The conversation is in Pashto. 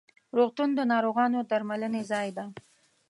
روغتون د ناروغانو د درملنې ځای ده.